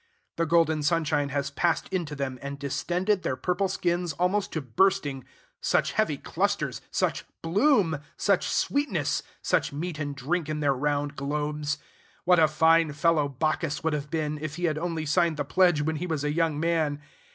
The golden sunshine has passed into them, and distended their purple skins almost to bursting. Such heavy clusters! such bloom! such sweetness! such meat and drink in their round globes! What a fine fellow Bacchus would have been, if he had only signed the pledge when he was a young man!